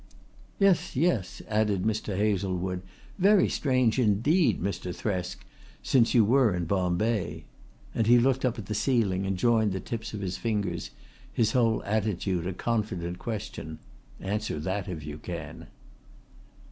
"Yes, yes," added Mr. Hazlewood, "very strange indeed, Mr. Thresk since you were in Bombay"; and he looked up at the ceiling and joined the tips of his fingers, his whole attitude a confident question: "Answer that if you can."